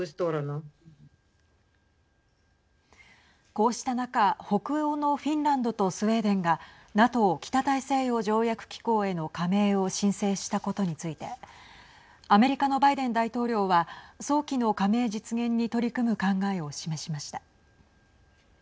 こうした中、北欧のフィンランドとスウェーデンがＮＡＴＯ＝北大西洋条約機構への加盟を申請したことについてアメリカのバイデン大統領は早期の加盟実現に取り組む考えを示しました。